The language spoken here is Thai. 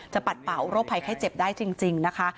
ปัดเป่าโรคภัยไข้เจ็บได้จริงนะคะ